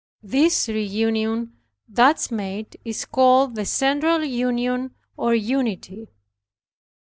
This reunion thus made, is called the central union or unity.